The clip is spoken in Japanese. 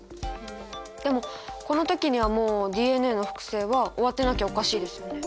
でもこの時にはもうＤＮＡの複製は終わってなきゃおかしいですよね。